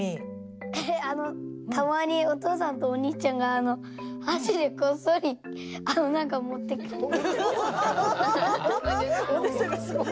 たまにお父さんとお兄ちゃんが箸でこっそりなんか持っていっちゃう。